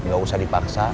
ga usah dipaksa